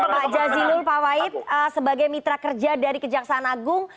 pak zazilul pawais sebagai mitra kerja dari kejaksaan agung